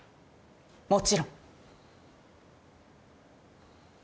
もちろん。